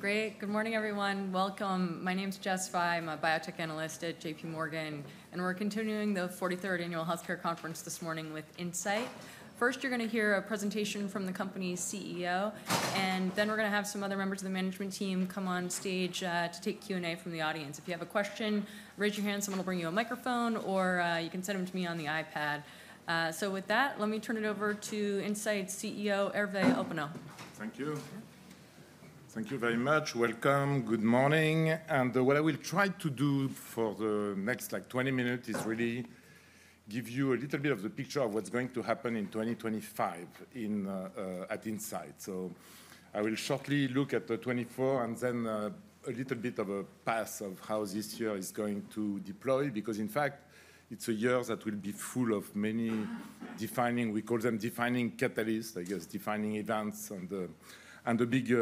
Great. Good morning, everyone. Welcome. My name's Jessica Fye. I'm a Biotech Analyst at JPMorgan. And we're continuing the 43rd annual healthcare conference this morning with Incyte. First, you're going to hear a presentation from the company's CEO. And then we're going to have some other members of the management team come on stage to take Q&A from the audience. If you have a question, raise your hand. Someone will bring you a microphone, or you can send them to me on the iPad. So with that, let me turn it over to Incyte's CEO, Hervé Hoppenot. Thank you. Thank you very much. Welcome. Good morning, and what I will try to do for the next, like, 20 minutes is really give you a little bit of the picture of what's going to happen in 2025 at Incyte. So I will shortly look at the 2024 and then a little bit of a pass of how this year is going to deploy. Because, in fact, it's a year that will be full of many defining, we call them defining catalysts, I guess, defining events and the big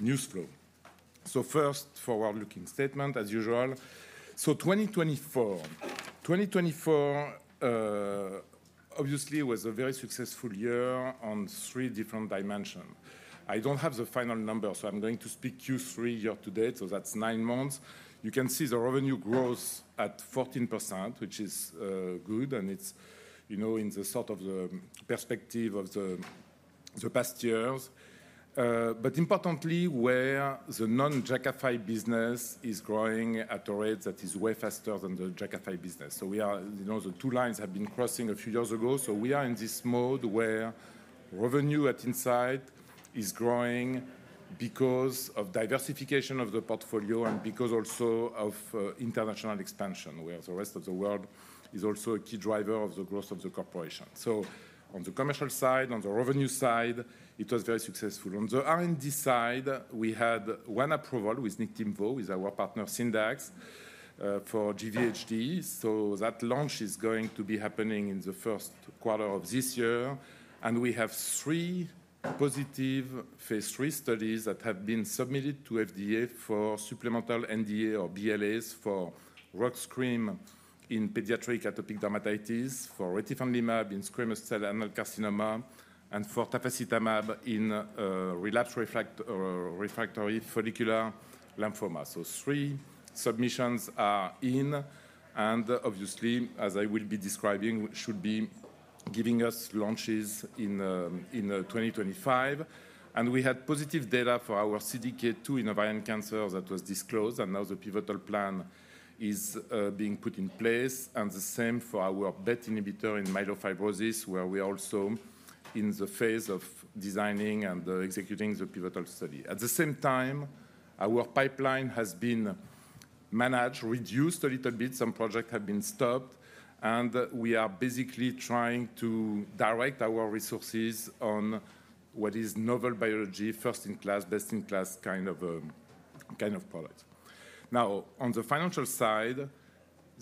news flow. So first, forward-looking statement, as usual. So 2024, obviously, was a very successful year on three different dimensions. I don't have the final number, so I'm going to speak Q3 year to date. So that's nine months. You can see the revenue growth at 14%, which is good. And it's in the sort of the perspective of the past years. But importantly, where the non-Jakafi business is growing at a rate that is way faster than the Jakafi business. So the two lines have been crossing a few years ago. So we are in this mode where revenue at Incyte is growing because of diversification of the portfolio and because also of international expansion, where the rest of the world is also a key driver of the growth of the corporation. So on the commercial side, on the revenue side, it was very successful. On the R&D side, we had one approval with Niktimvo, with our partner Syndax, for GVHD. So that launch is going to be happening in the first quarter of this year. We have three positive phase III studies that have been submitted to FDA for supplemental NDA or BLAs for Opzelura in pediatric atopic dermatitis, for retifanlimab in squamous cell anal carcinoma, and for tafasitamab in relapsed refractory follicular lymphoma. Three submissions are in. Obviously, as I will be describing, they should be giving us launches in 2025. We had positive data for our CDK2 inhibitor in ovarian cancer that was disclosed. Now the pivotal plan is being put in place. The same applies for our BET inhibitor in myelofibrosis, where we are also in the phase of designing and executing the pivotal study. At the same time, our pipeline has been managed and reduced a little bit. Some projects have been stopped. We are basically trying to direct our resources on what is novel biology, first-in-class, best-in-class kind of product. Now, on the financial side,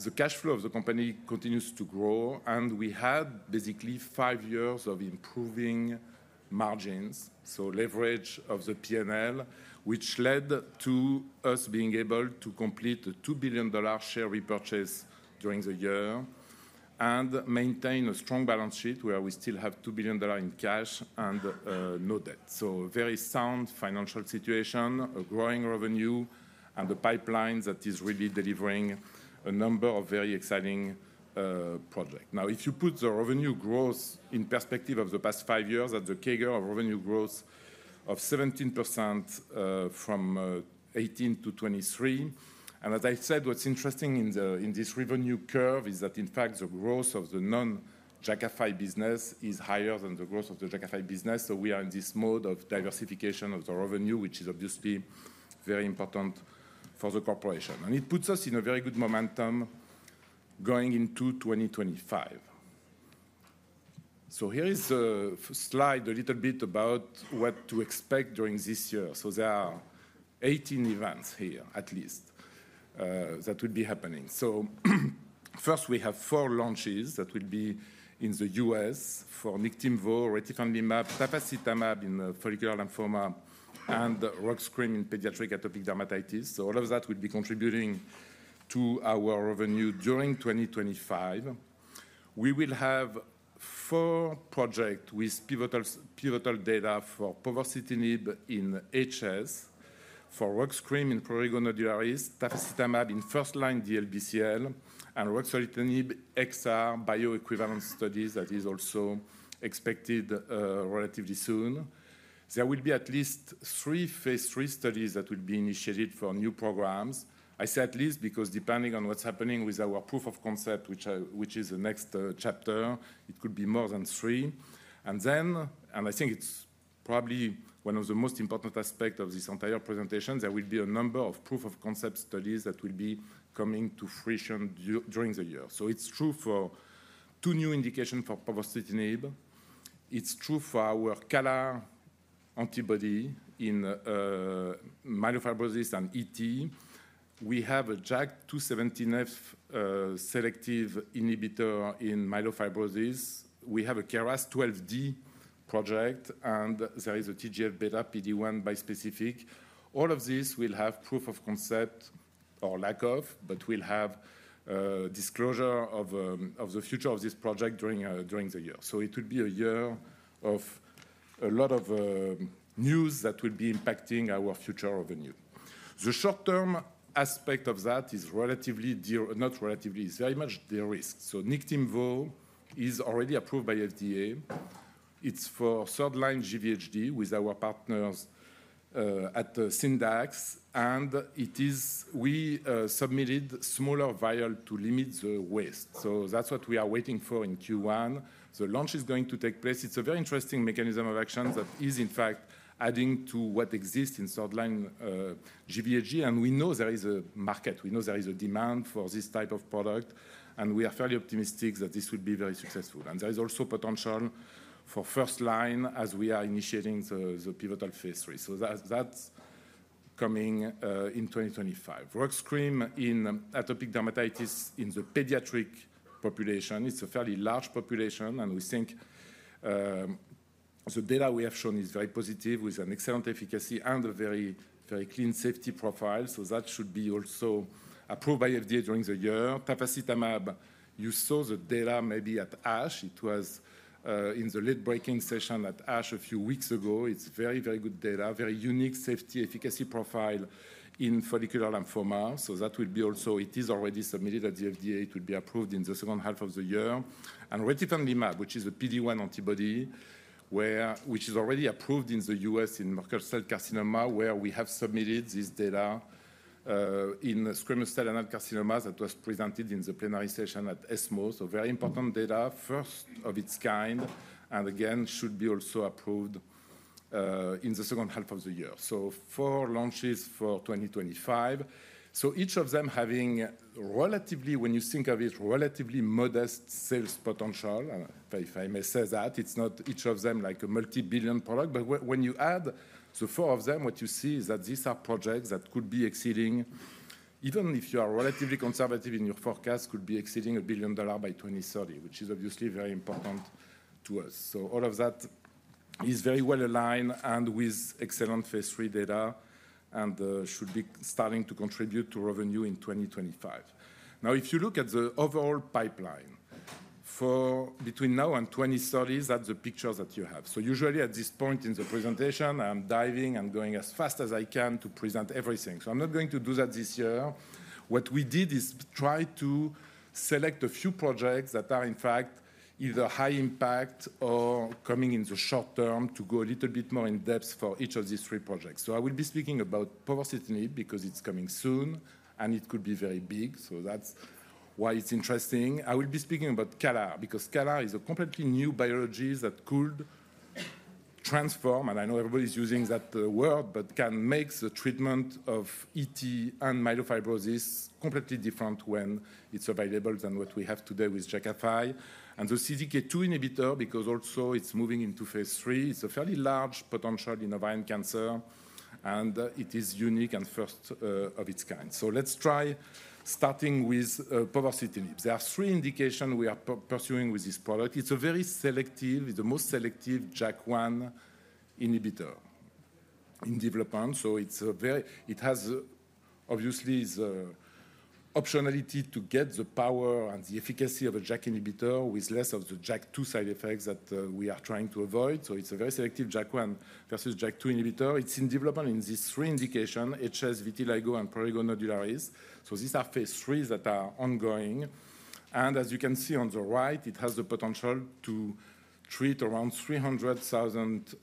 the cash flow of the company continues to grow, and we had basically five years of improving margins, so leverage of the P&L, which led to us being able to complete the $2 billion share repurchase during the year and maintain a strong balance sheet where we still have $2 billion in cash and no debt, so very sound financial situation, growing revenue, and a pipeline that is really delivering a number of very exciting projects. Now, if you put the revenue growth in perspective of the past five years, that's a CAGR of revenue growth of 17% from 2018 to 2023, and as I said, what's interesting in this revenue curve is that, in fact, the growth of the non-Jakafi business is higher than the growth of the Jakafi business. We are in this mode of diversification of the revenue, which is obviously very important for the corporation. And it puts us in a very good momentum going into 2025. So here is the slide a little bit about what to expect during this year. So there are 18 events here, at least, that will be happening. So first, we have four launches that will be in the U.S. for niktimvo, retifanlimab, tafasitamab in the follicular lymphoma, and Opzelura in pediatric atopic dermatitis. So all of that will be contributing to our revenue during 2025. We will have four projects with pivotal data for povorcitinib in HS, for Opzelura in prurigo nodularis, tafasitamab in first-line DLBCL, and ruxolitinib XR bioequivalent studies that is also expected relatively soon. There will be at least three phase III studies that will be initiated for new programs. I say at least because depending on what's happening with our proof of concept, which is the next chapter, it could be more than three. And then, and I think it's probably one of the most important aspects of this entire presentation, there will be a number of proof of concept studies that will be coming to fruition during the year. So it's true for two new indications for povorcitinib. It's true for our CALR antibody in myelofibrosis and ET. We have a JAK2 V617F selective inhibitor in myelofibrosis. We have a KRAS G12D project. And there is a TGF-β PD-1 bispecific. All of these will have proof of concept or lack of, but we'll have disclosure of the future of this project during the year. So it will be a year of a lot of news that will be impacting our future revenue. The short-term aspect of that is relatively de-risk, not relatively, it's very much de-risk. So Niktimvo is already approved by FDA. It's for third-line GVHD with our partners at Syndax. And we submitted sNDA to limit the waste. So that's what we are waiting for in Q1. The launch is going to take place. It's a very interesting mechanism of action that is, in fact, adding to what exists in third-line GVHD. And we know there is a market. We know there is a demand for this type of product. And we are fairly optimistic that this will be very successful. And there is also potential for first-line as we are initiating the pivotal phase III. So that's coming in 2025. Opzelura in atopic dermatitis in the pediatric population, it's a fairly large population. We think the data we have shown is very positive with an excellent efficacy and a very, very clean safety profile. So that should be also approved by FDA during the year. Tafasitamab, you saw the data maybe at ASH. It was in the late-breaking session at ASH a few weeks ago. It's very, very good data, very unique safety efficacy profile in follicular lymphoma. So that will be also, it is already submitted at the FDA. It will be approved in the second half of the year. Retifanlimab, which is a PD-1 antibody, which is already approved in the U.S. in Merkel cell carcinoma, where we have submitted this data in squamous cell anal carcinomas that was presented in the plenary session at ESMO. So very important data, first of its kind. And again, should be also approved in the second half of the year. Four launches for 2025. Each of them having relatively, when you think of it, relatively modest sales potential. If I may say that, it's not each of them like a multi-billion product. But when you add the four of them, what you see is that these are projects that could be exceeding, even if you are relatively conservative in your forecast, could be exceeding a billion dollars by 2030, which is obviously very important to us. All of that is very well aligned and with excellent phase III data and should be starting to contribute to revenue in 2025. Now, if you look at the overall pipeline for between now and 2030, that's the picture that you have. Usually at this point in the presentation, I'm diving. I'm going as fast as I can to present everything. I'm not going to do that this year. What we did is try to select a few projects that are, in fact, either high impact or coming in the short term to go a little bit more in depth for each of these three projects. I will be speaking about povorcitinib because it's coming soon. And it could be very big. That's why it's interesting. I will be speaking about CALR because CALR is a completely new biology that could transform, and I know everybody's using that word, but can make the treatment of ET and myelofibrosis completely different when it's available than what we have today with Jakafi. And the CDK2 inhibitor, because also it's moving into phase III, it's a fairly large potential in ovarian cancer. And it is unique and first of its kind. Let's try starting with povorcitinib. There are three indications we are pursuing with this product. It's a very selective, the most selective JAK1 inhibitor in development. So it has obviously the optionality to get the power and the efficacy of a JAK inhibitor with less of the JAK2 side effects that we are trying to avoid. So it's a very selective JAK1 versus JAK2 inhibitor. It's in development in these three indications, HS, vitiligo, and prurigo nodularis. So these are phase IIIs that are ongoing. And as you can see on the right, it has the potential to treat around 300,000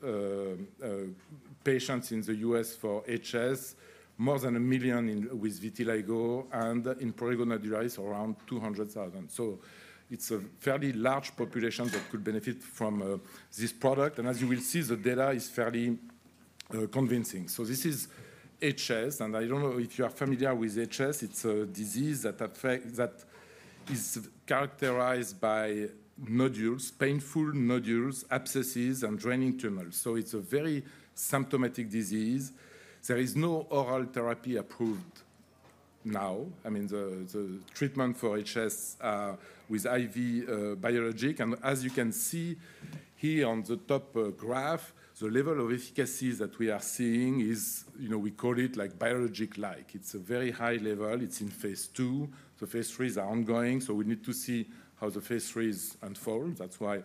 patients in the U.S. for HS, more than a million with vitiligo, and in prurigo nodularis, around 200,000. So it's a fairly large population that could benefit from this product. And as you will see, the data is fairly convincing. So this is HS. I don't know if you are familiar with HS. It's a disease that is characterized by nodules, painful nodules, abscesses, and draining tumors. So it's a very symptomatic disease. There is no oral therapy approved now. I mean, the treatment for HS with IV biologic. And as you can see here on the top graph, the level of efficacy that we are seeing is, we call it like biologic-like. It's a very high level. It's in phase II. The phase IIIs are ongoing. So we need to see how the phase IIIs unfold. That's why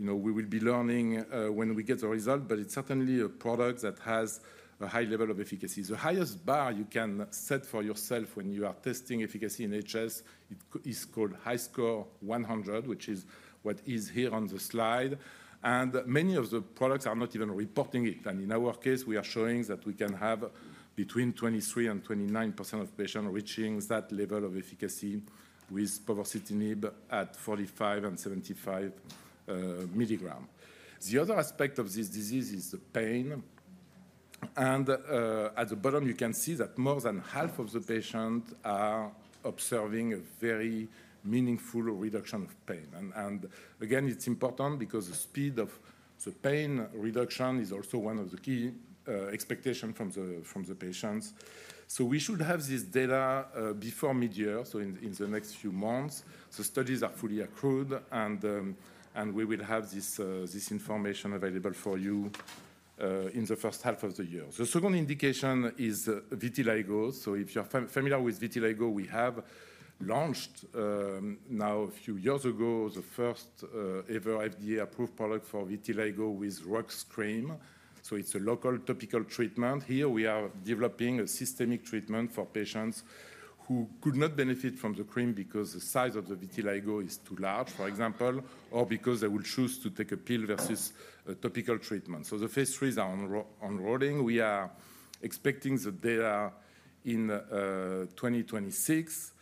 we will be learning when we get the result. But it's certainly a product that has a high level of efficacy. The highest bar you can set for yourself when you are testing efficacy in HS is called HiSCR100, which is what is here on the slide. And many of the products are not even reporting it. And in our case, we are showing that we can have between 23% and 29% of patients reaching that level of efficacy with povorcitinib at 45 and 75 milligrams. The other aspect of this disease is the pain. And at the bottom, you can see that more than half of the patients are observing a very meaningful reduction of pain. And again, it's important because the speed of the pain reduction is also one of the key expectations from the patients. So we should have this data before mid-year, so in the next few months. The studies are fully accrued. And we will have this information available for you in the first half of the year. The second indication is vitiligo. So if you're familiar with vitiligo, we have launched now a few years ago the first ever FDA-approved product for vitiligo with Opzelura. So it's a local topical treatment. Here, we are developing a systemic treatment for patients who could not benefit from the cream because the size of the vitiligo is too large, for example, or because they will choose to take a pill versus a topical treatment. So the phase IIIs are enrolling. We are expecting the data in 2026.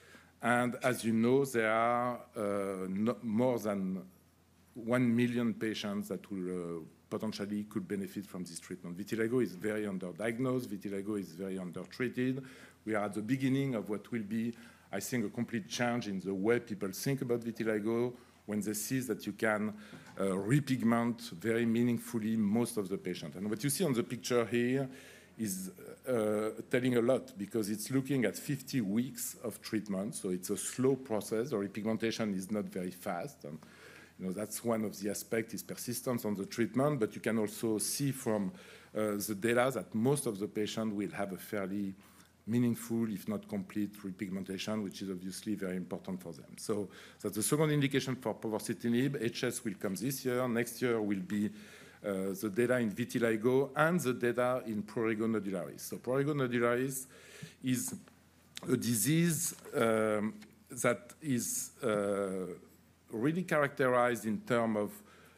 And as you know, there are more than one million patients that potentially could benefit from this treatment. Vitiligo is very underdiagnosed. Vitiligo is very undertreated. We are at the beginning of what will be, I think, a complete change in the way people think about vitiligo when they see that you can repigment very meaningfully most of the patients. What you see on the picture here is telling a lot because it's looking at 50 weeks of treatment, so it's a slow process. The repigmentation is not very fast, and that's one of the aspects is persistence on the treatment. But you can also see from the data that most of the patients will have a fairly meaningful, if not complete, repigmentation, which is obviously very important for them. That's the second indication for povorcitinib. HS will come this year. Next year will be the data in vitiligo and the data in prurigo nodularis, so prurigo nodularis is a disease that is really characterized in terms of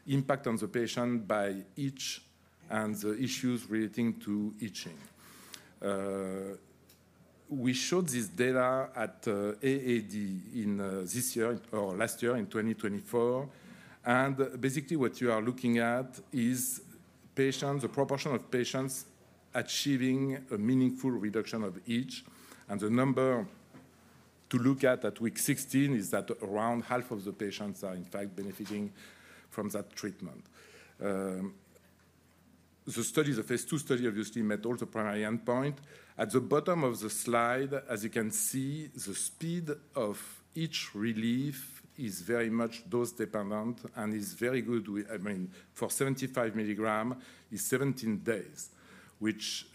impact on the patient by itch and the issues relating to itching. We showed this data at AAD this year or last year in 2024. Basically, what you are looking at is patients, the proportion of patients achieving a meaningful reduction of itch. The number to look at at week 16 is that around half of the patients are, in fact, benefiting from that treatment. The studies, the phase II study obviously met all the primary endpoints. At the bottom of the slide, as you can see, the speed of itch relief is very much dose-dependent and is very good. I mean, for 75 milligrams, it's 17 days, which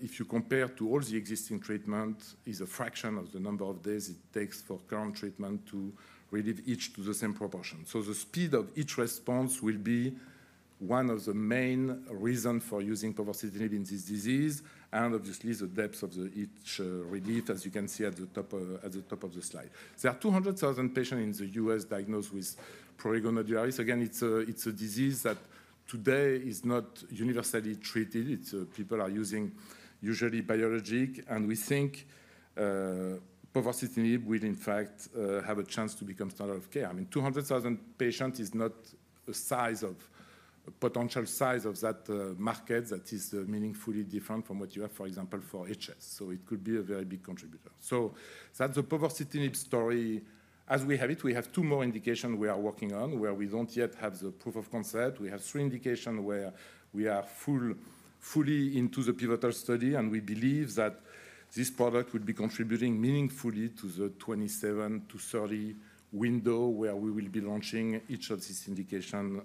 if you compare to all the existing treatments, is a fraction of the number of days it takes for current treatment to relieve itch to the same proportion. The speed of itch response will be one of the main reasons for using povorcitinib in this disease. And obviously, the depth of the itch relief, as you can see at the top of the slide. There are 200,000 patients in the U.S. diagnosed with prurigo nodularis. Again, it's a disease that today is not universally treated. People are using usually biologics. And we think povorcitinib will, in fact, have a chance to become standard of care. I mean, 200,000 patients is not a size of potential size of that market that is meaningfully different from what you have, for example, for HS. So it could be a very big contributor. So that's the povorcitinib story as we have it. We have two more indications we are working on where we don't yet have the proof of concept. We have three indications where we are fully into the pivotal study. We believe that this product will be contributing meaningfully to the 27-30 window where we will be launching each of these indications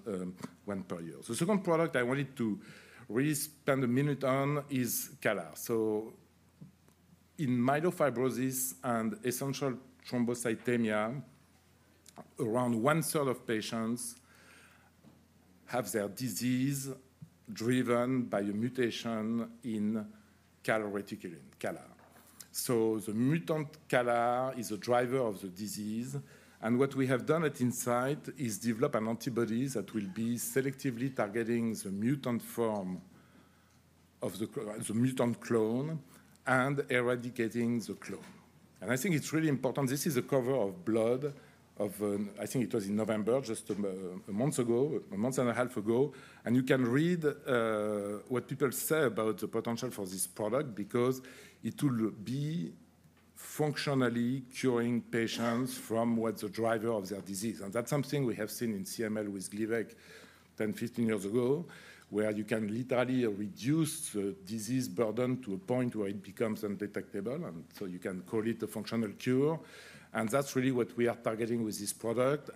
one per year. The second product I wanted to really spend a minute on is CALR. So in myelofibrosis and essential thrombocythemia, around one-third of patients have their disease driven by a mutation in CALR calreticulin. CALR. So the mutant CALR is a driver of the disease. And what we have done at Incyte is develop an antibody that will be selectively targeting the mutant form of the mutant clone and eradicating the clone. And I think it's really important. This is a cover of Blood. I think it was in November, just a month ago, a month and a half ago. You can read what people say about the potential for this product because it will be functionally curing patients from what's the driver of their disease. That's something we have seen in CML with Gleevec 10, 15 years ago, where you can literally reduce the disease burden to a point where it becomes undetectable. So you can call it a functional cure. That's really what we are targeting with this product.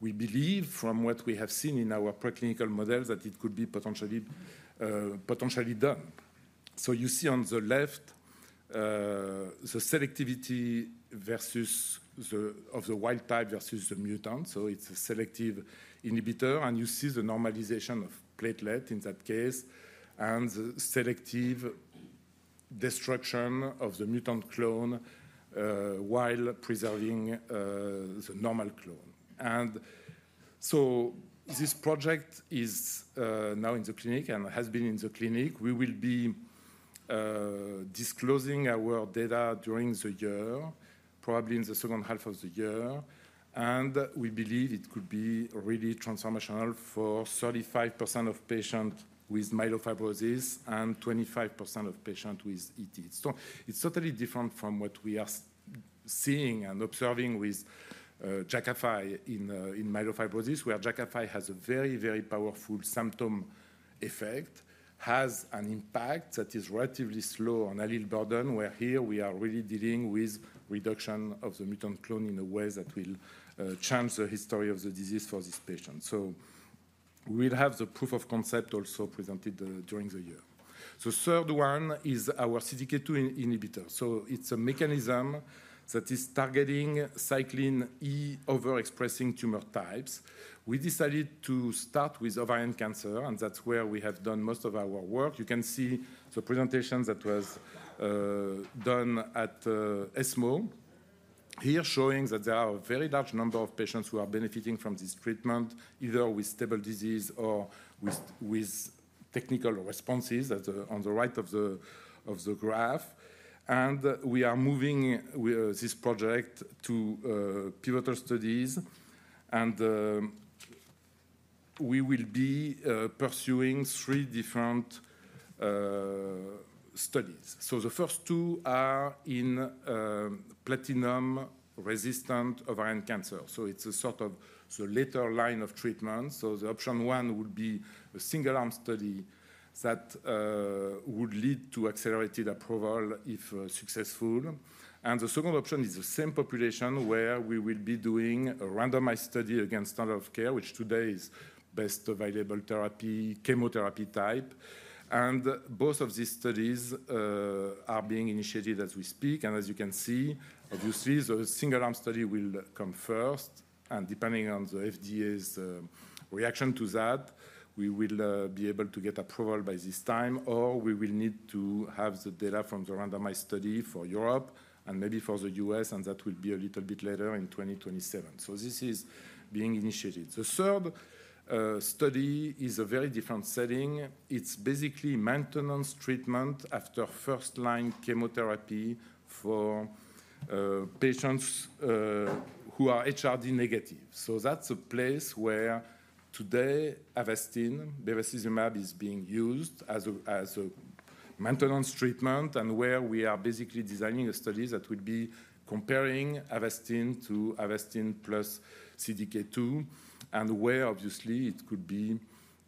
We believe, from what we have seen in our preclinical models, that it could be potentially done. You see on the left the selectivity versus the wild type versus the mutant. It's a selective inhibitor. You see the normalization of platelet in that case and the selective destruction of the mutant clone while preserving the normal clone. This project is now in the clinic and has been in the clinic. We will be disclosing our data during the year, probably in the second half of the year. We believe it could be really transformational for 35% of patients with myelofibrosis and 25% of patients with ET. It is totally different from what we are seeing and observing with Jakafi in myelofibrosis, where Jakafi has a very, very powerful symptom effect, has an impact that is relatively slow on allele burden, where here we are really dealing with reduction of the mutant clone in a way that will change the history of the disease for these patients. We will have the proof of concept also presented during the year. The third one is our CDK2 inhibitor. It is a mechanism that is targeting cyclin E overexpressing tumor types. We decided to start with ovarian cancer, and that's where we have done most of our work. You can see the presentation that was done at ESMO here showing that there are a very large number of patients who are benefiting from this treatment, either with stable disease or with partial responses on the right of the graph, and we are moving this project to pivotal studies. We will be pursuing three different studies, so the first two are in platinum-resistant ovarian cancer. It's a sort of the later line of treatment, so option one would be a single-arm study that would lead to accelerated approval if successful, and the second option is the same population where we will be doing a randomized study against standard of care, which today is best available therapy, chemotherapy type. Both of these studies are being initiated as we speak. As you can see, obviously, the single-arm study will come first. Depending on the FDA's reaction to that, we will be able to get approval by this time. Or we will need to have the data from the randomized study for Europe and maybe for the U.S. That will be a little bit later in 2027. So this is being initiated. The third study is a very different setting. It's basically maintenance treatment after first-line chemotherapy for patients who are HRD negative. So that's a place where today Avastin, bevacizumab, is being used as a maintenance treatment and where we are basically designing a study that will be comparing Avastin to Avastin plus CDK2 and where obviously it could be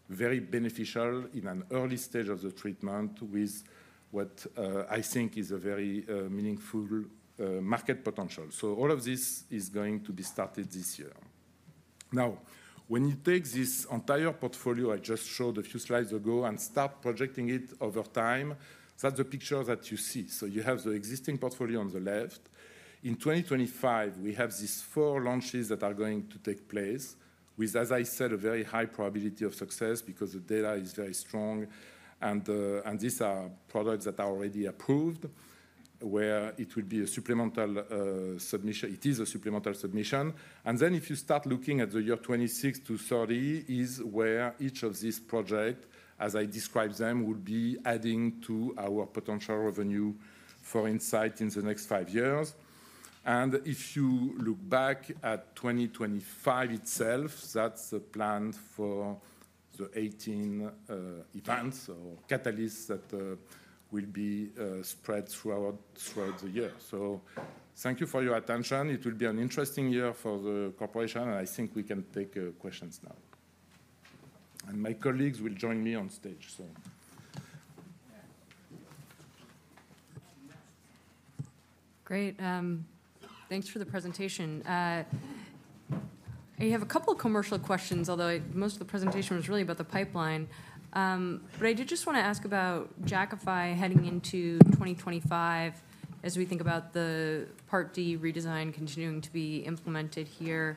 very beneficial in an early stage of the treatment with what I think is a very meaningful market potential. All of this is going to be started this year. Now, when you take this entire portfolio I just showed a few slides ago and start projecting it over time, that's the picture that you see. You have the existing portfolio on the left. In 2025, we have these four launches that are going to take place with, as I said, a very high probability of success because the data is very strong. These are products that are already approved where it will be a supplemental submission. It is a supplemental submission. Then if you start looking at the year 2026 to 2030 is where each of these projects, as I described them, will be adding to our potential revenue for Incyte in the next five years. And if you look back at 2025 itself, that's the plan for the 18 events or catalysts that will be spread throughout the year. So thank you for your attention. It will be an interesting year for the corporation. And I think we can take questions now. And my colleagues will join me on stage. Great. Thanks for the presentation. I have a couple of commercial questions, although most of the presentation was really about the pipeline. But I did just want to ask about Jakafi heading into 2025 as we think about the Part D redesign continuing to be implemented here.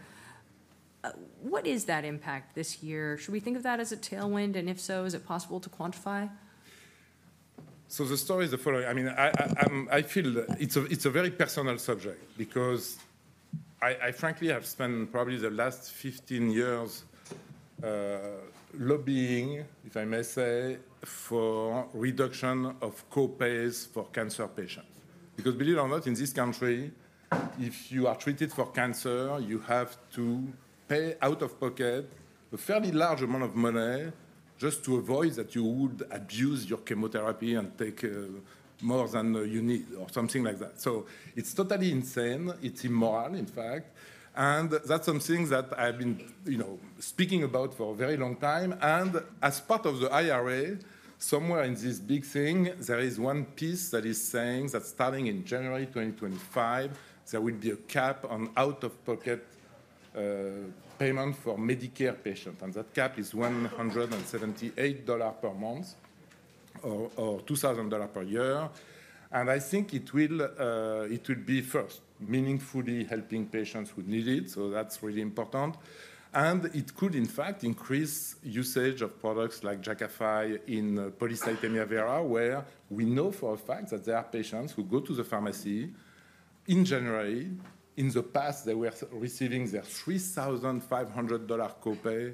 What is that impact this year? Should we think of that as a tailwind? And if so, is it possible to quantify? The story is the following. I mean, I feel it's a very personal subject because I frankly have spent probably the last 15 years lobbying, if I may say, for reduction of co-pays for cancer patients. Because believe it or not, in this country, if you are treated for cancer, you have to pay out of pocket a fairly large amount of money just to avoid that you would abuse your chemotherapy and take more than you need or something like that. So it's totally insane. It's immoral, in fact. And that's something that I've been speaking about for a very long time. And as part of the IRA, somewhere in this big thing, there is one piece that is saying that starting in January 2025, there will be a cap on out-of-pocket payment for Medicare patients. And that cap is $178 per month or $2,000 per year. I think it will be first meaningfully helping patients who need it. So that's really important. And it could, in fact, increase usage of products like Jakafi in polycythemia vera, where we know for a fact that there are patients who go to the pharmacy in January. In the past, they were receiving their $3,500 co-pay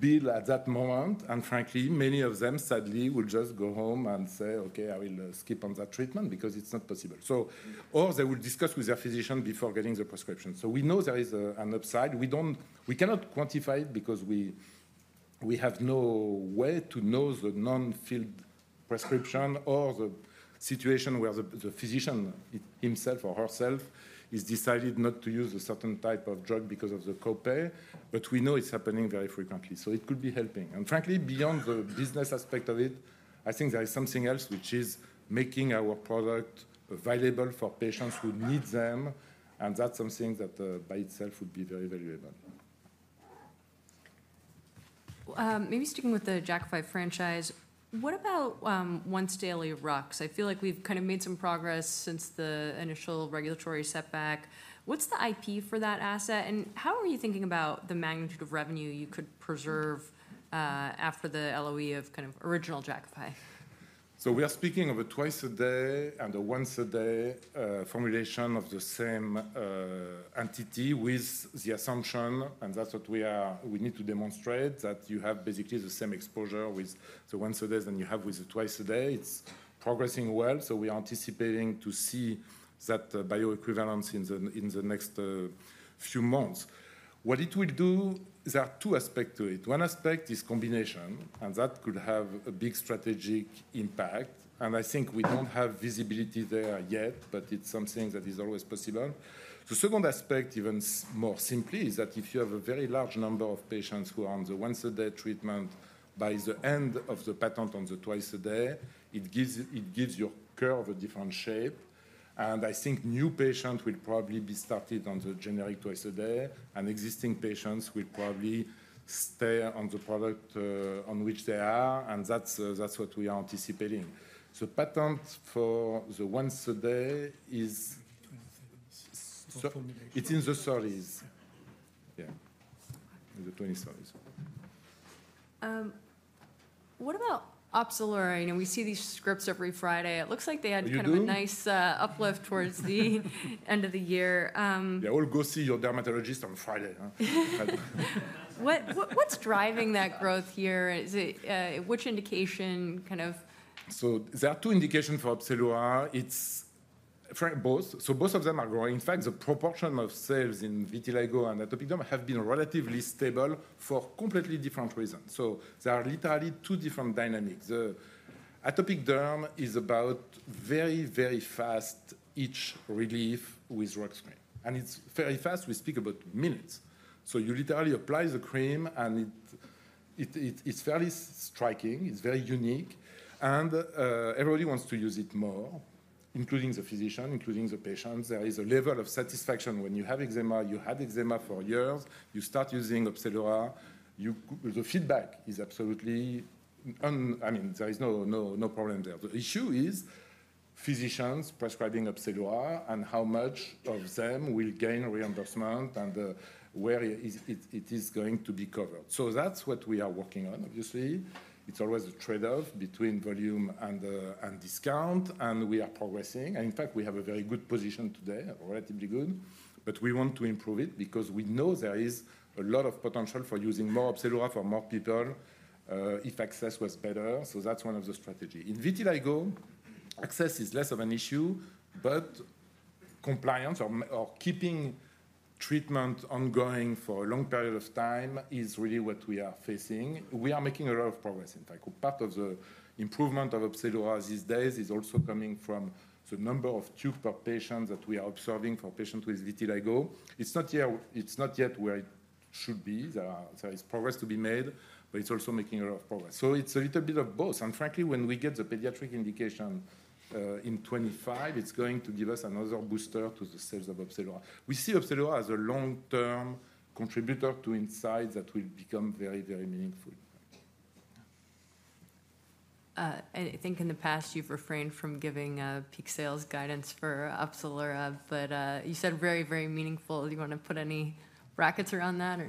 bill at that moment. And frankly, many of them, sadly, will just go home and say, "Okay, I will skip on that treatment because it's not possible." Or they will discuss with their physician before getting the prescription. So we know there is an upside. We cannot quantify it because we have no way to know the non-filled prescription or the situation where the physician himself or herself has decided not to use a certain type of drug because of the co-pay. But we know it's happening very frequently. So it could be helping. And frankly, beyond the business aspect of it, I think there is something else which is making our product available for patients who need them. And that's something that by itself would be very valuable. Maybe sticking with the Jakafi franchise, what about once-daily Rux? I feel like we've kind of made some progress since the initial regulatory setback. What's the IP for that asset? And how are you thinking about the magnitude of revenue you could preserve after the LOE of kind of original Jakafi? So we are speaking of a twice-a-day and a once-a-day formulation of the same entity with the assumption, and that's what we need to demonstrate, that you have basically the same exposure with the once-a-days than you have with the twice-a-day. It's progressing well. So we are anticipating to see that bioequivalence in the next few months. What it will do, there are two aspects to it. One aspect is combination, and that could have a big strategic impact. And I think we don't have visibility there yet, but it's something that is always possible. The second aspect, even more simply, is that if you have a very large number of patients who are on the once-a-day treatment, by the end of the patent on the twice-a-day, it gives your curve a different shape. I think new patients will probably be started on the generic twice-a-day, and existing patients will probably stay on the product on which they are. That's what we are anticipating. The patent for the once-a-day is in the 30s. Yeah, in the 20s. What about Opzelura? We see these scripts every Friday. It looks like they had kind of a nice uplift towards the end of the year. Yeah, we'll go see your dermatologist on Friday. What's driving that growth here? Which indication kind of? There are two indications for Opzelura. Both. So both of them are growing. In fact, the proportion of sales in vitiligo and atopic dermatitis have been relatively stable for completely different reasons. So there are literally two different dynamics. The atopic dermatitis is about very, very fast itch relief with Rux cream. And it's very fast. We speak about minutes. So you literally apply the cream, and it's fairly striking. It's very unique. And everybody wants to use it more, including the physician, including the patients. There is a level of satisfaction when you have eczema. You had eczema for years. You start using Opzelura. The feedback is absolutely, I mean, there is no problem there. The issue is physicians prescribing Opzelura and how much of them will gain reimbursement and where it is going to be covered. So that's what we are working on, obviously. It's always a trade-off between volume and discount, and we are progressing. In fact, we have a very good position today, relatively good. We want to improve it because we know there is a lot of potential for using more Opzelura for more people if access was better. That's one of the strategies. In vitiligo, access is less of an issue, but compliance or keeping treatment ongoing for a long period of time is really what we are facing. We are making a lot of progress. In fact, part of the improvement of Opzelura these days is also coming from the number of tubes per patient that we are observing for patients with vitiligo. It's not yet where it should be. There is progress to be made, but it's also making a lot of progress. It's a little bit of both. Frankly, when we get the pediatric indication in 2025, it's going to give us another boost to the sales of Opzelura. We see Opzelura as a long-term contributor to Incyte that will become very, very meaningful. I think in the past, you've refrained from giving peak sales guidance for Opzelura, but you said very, very meaningful. Do you want to put any brackets around that?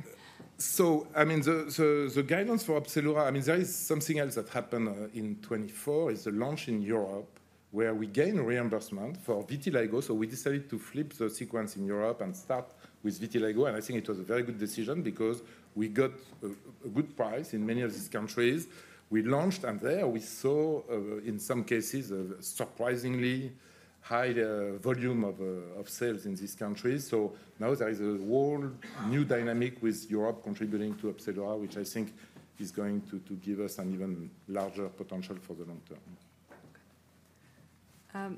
So I mean, the guidance for Opzelura, I mean, there is something else that happened in 2024 is the launch in Europe where we gain reimbursement for vitiligo. So we decided to flip the sequence in Europe and start with vitiligo. And I think it was a very good decision because we got a good price in many of these countries. We launched, and there we saw in some cases a surprisingly high volume of sales in these countries. So now there is a whole new dynamic with Europe contributing to Opzelura, which I think is going to give us an even larger potential for the long term.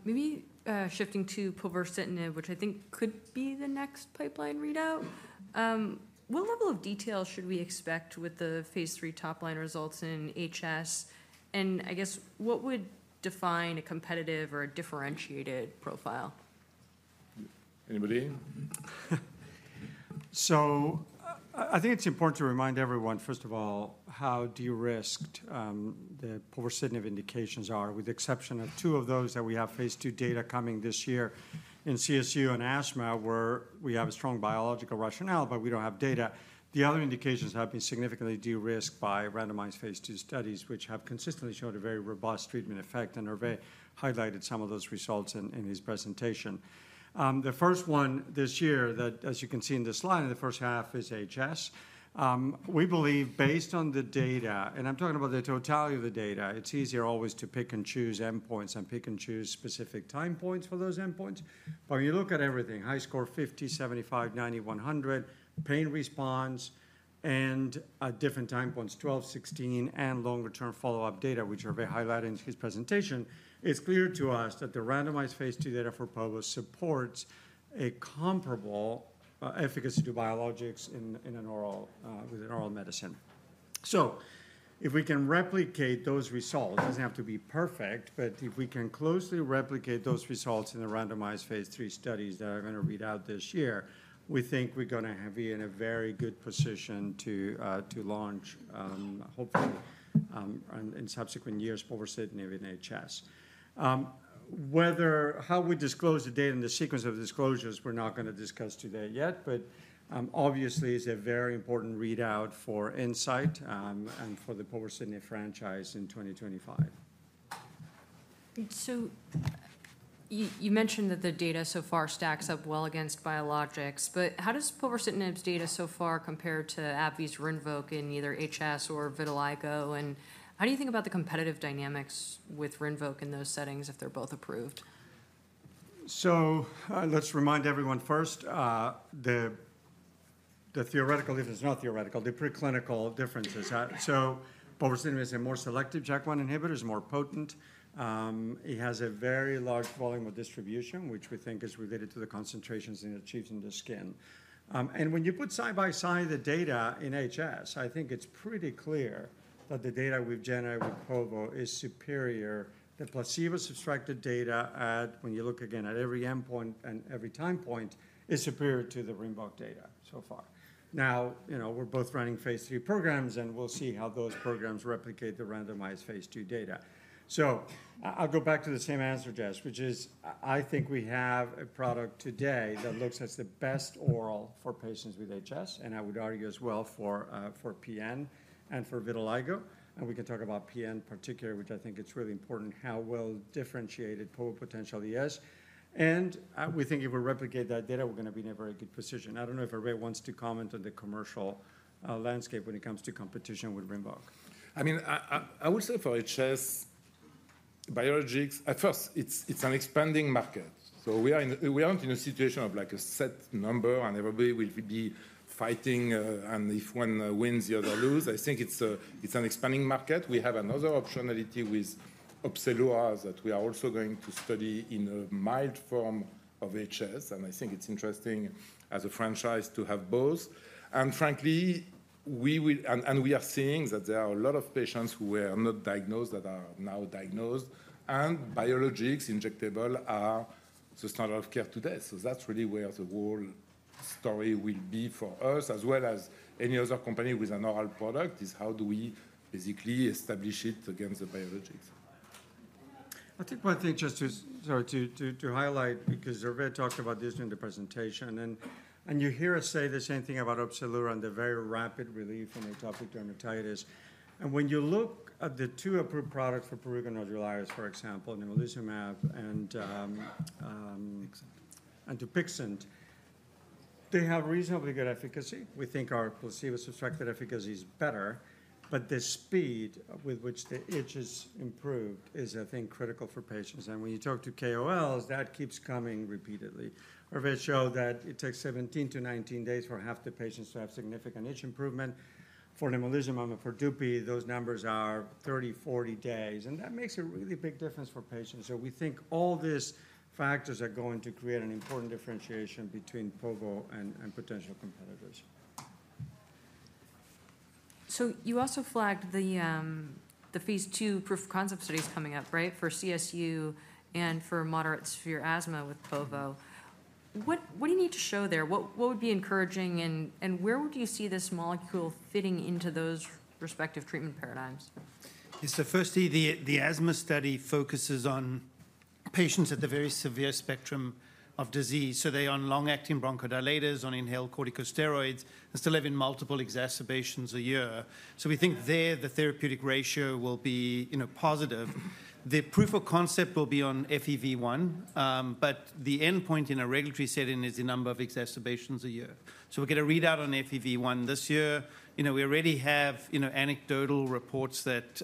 Maybe shifting to povorcitinib, which I think could be the next pipeline readout. What level of detail should we expect with the phase III topline results in HS? And I guess what would define a competitive or a differentiated profile? Anybody? I think it's important to remind everyone, first of all, how de-risked the povorcitinib indications are, with the exception of two of those that we have phase II data coming this year in CSU and asthma, where we have a strong biological rationale, but we don't have data. The other indications have been significantly de-risked by randomized phase II studies, which have consistently showed a very robust treatment effect, and Hervé highlighted some of those results in his presentation. The first one this year that, as you can see in this slide, in the first half is HS. We believe, based on the data, and I'm talking about the totality of the data, it's easier always to pick and choose endpoints and pick and choose specific time points for those endpoints. But when you look at everything, HiSCR 50, 75, 90, 100, pain response, and different time points, 12, 16, and longer-term follow-up data, which Hervé highlighted in his presentation, it's clear to us that the randomized phase II data for povorcitinib supports a comparable efficacy to biologics within oral medicine. So if we can replicate those results, it doesn't have to be perfect, but if we can closely replicate those results in the randomized phase III studies that are going to read out this year, we think we're going to be in a very good position to launch, hopefully, in subsequent years, povorcitinib in HS. How we disclose the data and the sequence of disclosures, we're not going to discuss today yet, but obviously, it's a very important readout for Incyte and for the povorcitinib franchise in 2025. So you mentioned that the data so far stacks up well against biologics. But how does povorcitinib's data so far compare to AbbVie's Rinvoq in either HS or vitiligo? And how do you think about the competitive dynamics with Rinvoq in those settings if they're both approved? So let's remind everyone first, the theoretical, if it's not theoretical, the preclinical differences. So povorcitinib is a more selective JAK1 inhibitor, is more potent. It has a very large volume of distribution, which we think is related to the concentrations it achieves in the skin. And when you put side by side the data in HS, I think it's pretty clear that the data we've generated with povorcitinib is superior. The placebo-subtracted data, when you look again at every endpoint and every time point, is superior to the Rinvoq data so far. Now, we're both running phase III programs, and we'll see how those programs replicate the randomized phase II data. So I'll go back to the same answer, Jess, which is I think we have a product today that looks as the best oral for patients with HS, and I would argue as well for PN and for vitiligo. And we can talk about PN in particular, which I think it's really important, how well differentiated povorcitinib potentially is. And we think if we replicate that data, we're going to be in a very good position. I don't know if Hervé wants to comment on the commercial landscape when it comes to competition with Rinvoq. I mean, I would say for HS biologics, at first, it's an expanding market. So we aren't in a situation of like a set number, and everybody will be fighting, and if one wins, the other loses. I think it's an expanding market. We have another optionality with Opzelura that we are also going to study in a mild form of HS. And I think it's interesting as a franchise to have both. And frankly, we are seeing that there are a lot of patients who were not diagnosed that are now diagnosed. And biologics injectable are the standard of care today. So that's really where the whole story will be for us, as well as any other company with an oral product, is how do we basically establish it against the biologics. I think one thing, Jess, to highlight, because Hervé talked about this during the presentation, and you hear us say the same thing about Opzelura and the very rapid relief in atopic dermatitis, and when you look at the two approved products for prurigo nodularis, for example, nemolizumab and Dupixent, they have reasonably good efficacy. We think our placebo-subtracted efficacy is better, but the speed with which the itch is improved is, I think, critical for patients, and when you talk to KOLs, that keeps coming repeatedly. Hervé showed that it takes 17-19 days for half the patients to have significant itch improvement. For nemolizumab and for Dupi, those numbers are 30-40 days, and that makes a really big difference for patients, so we think all these factors are going to create an important differentiation between povorcitinib and potential competitors. So you also flagged the phase II proof of concept studies coming up, right, for CSU and for moderate to severe asthma with povorcitinib. What do you need to show there? What would be encouraging, and where would you see this molecule fitting into those respective treatment paradigms? It's, firstly, the asthma study focuses on patients at the very severe spectrum of disease. So they are on long-acting bronchodilators, on inhaled corticosteroids, and still having multiple exacerbations a year. So we think that the therapeutic ratio will be positive. The proof of concept will be on FEV1, but the endpoint in a regulatory setting is the number of exacerbations a year. So we get a readout on FEV1 this year. We already have anecdotal reports that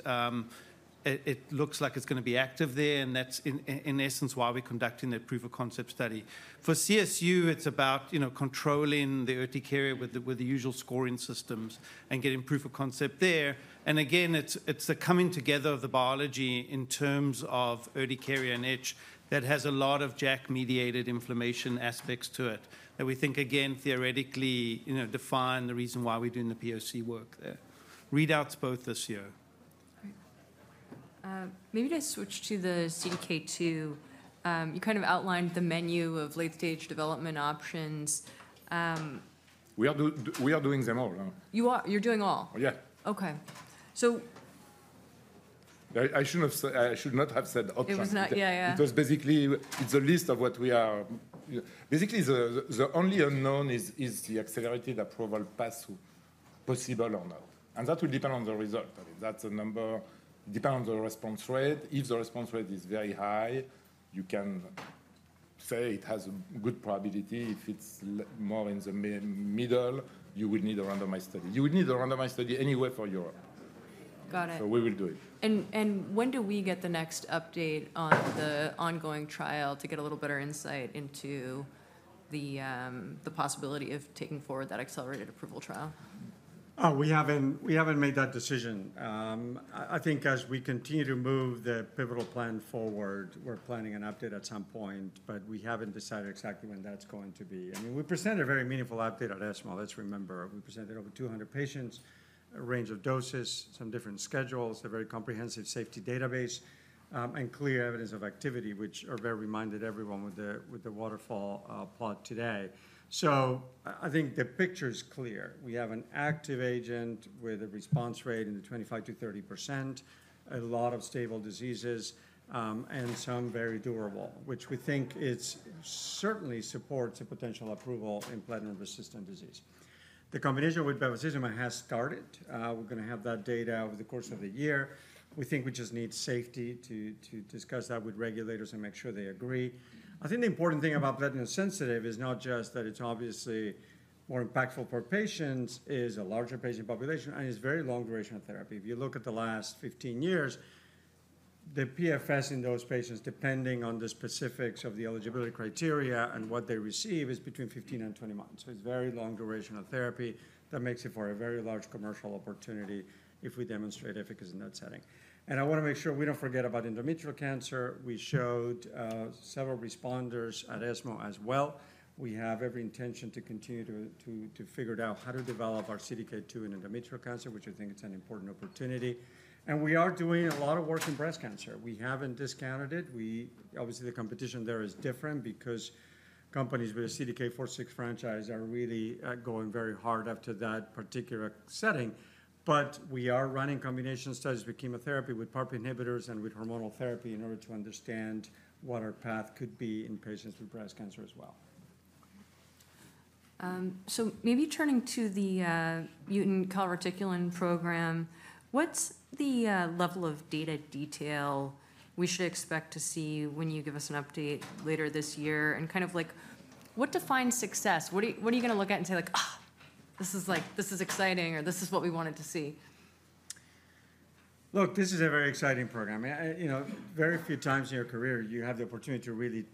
it looks like it's going to be active there, and that's in essence why we're conducting the proof of concept study. For CSU, it's about controlling the urticaria with the usual scoring systems and getting proof of concept there. Again, it's the coming together of the biology in terms of urticaria and itch that has a lot of JAK-mediated inflammation aspects to it that we think, again, theoretically define the reason why we're doing the POC work there. Readouts both this year. Maybe to switch to the CDK2, you kind of outlined the menu of late-stage development options. We are doing them all. You are. You're doing all. Oh, yeah. Okay. So. I should not have said all. It was not, yeah, yeah. Because basically, it's a list of what we are. Basically, the only unknown is the accelerated approval pathway possible or not, and that will depend on the result. I mean, that's a number. It depends on the response rate. If the response rate is very high, you can say it has a good probability. If it's more in the middle, you will need a randomized study. You will need a randomized study anyway for Europe. Got it. We will do it. When do we get the next update on the ongoing trial to get a little better insight into the possibility of taking forward that accelerated approval trial? We haven't made that decision. I think as we continue to move the pivotal plan forward, we're planning an update at some point, but we haven't decided exactly when that's going to be. I mean, we presented a very meaningful update at ASH. Let's remember, we presented over 200 patients, a range of doses, some different schedules, a very comprehensive safety database, and clear evidence of activity, which Hervé reminded everyone with the waterfall plot today. So I think the picture is clear. We have an active agent with a response rate in the 25%-30%, a lot of stable diseases, and some very durable, which we think certainly supports a potential approval in platinum-resistant disease. The combination with bevacizumab has started. We're going to have that data over the course of the year. We think we just need safety to discuss that with regulators and make sure they agree. I think the important thing about platinum-sensitive is not just that it's obviously more impactful per patient, it's a larger patient population, and it's very long duration of therapy. If you look at the last 15 years, the PFS in those patients, depending on the specifics of the eligibility criteria and what they receive, is between 15 and 20 months. So it's very long duration of therapy that makes it for a very large commercial opportunity if we demonstrate efficacy in that setting, and I want to make sure we don't forget about endometrial cancer. We showed several responders at ASH as well. We have every intention to continue to figure out how to develop our CDK2 in endometrial cancer, which I think is an important opportunity. We are doing a lot of work in breast cancer. We haven't discounted it. Obviously, the competition there is different because companies with a CDK4/6 franchise are really going very hard after that particular setting. But we are running combination studies with chemotherapy, with PARP inhibitors, and with hormonal therapy in order to understand what our path could be in patients with breast cancer as well. So maybe turning to the mutant calreticulin program, what's the level of data detail we should expect to see when you give us an update later this year? And kind of like what defines success? What are you going to look at and say like, "This is exciting," or, "This is what we wanted to see"? Look, this is a very exciting program. Very few times in your career, you have the opportunity to really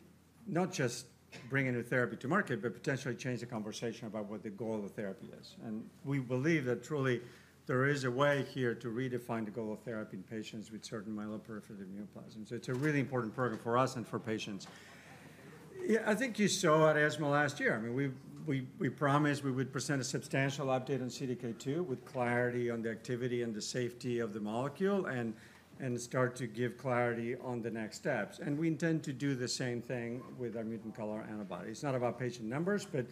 not just bring a new therapy to market, but potentially change the conversation about what the goal of therapy is, and we believe that truly there is a way here to redefine the goal of therapy in patients with certain myeloproliferative neoplasms. It's a really important program for us and for patients. I think you saw at ASH last year. I mean, we promised we would present a substantial update on CDK2 with clarity on the activity and the safety of the molecule and start to give clarity on the next steps, and we intend to do the same thing with our mutant CALR antibodies. It's not about patient numbers, but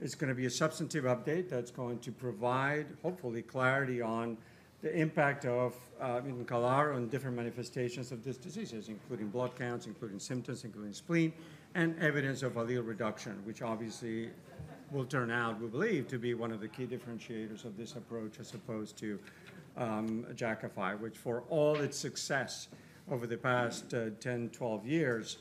it's going to be a substantive update that's going to provide, hopefully, clarity on the impact of mutant CALR on different manifestations of this disease, including blood counts, including symptoms, including spleen, and evidence of allele reduction, which obviously will turn out, we believe, to be one of the key differentiators of this approach as opposed to Jakafi, which for all its success over the past 10, 12 years,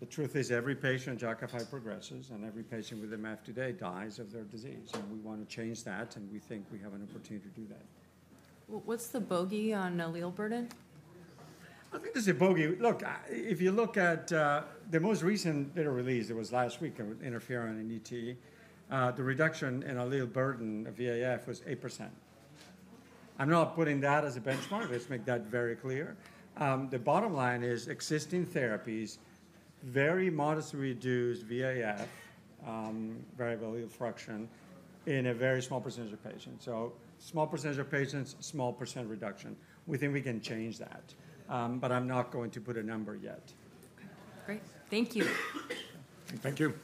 the truth is every patient Jakafi progresses and every patient with MF today dies of their disease, and we want to change that, and we think we have an opportunity to do that. What's the bogey on allele burden? I think there's a bogey. Look, if you look at the most recent data release, it was last week, interferon and ET, the reduction in allele burden of VAF was 8%. I'm not putting that as a benchmark. Let's make that very clear. The bottom line is existing therapies, very modestly reduced VAF, variant allele fraction, in a very small percentage of patients, so small percentage of patients, small percent reduction. We think we can change that, but I'm not going to put a number yet. Okay. Great. Thank you. Thank you.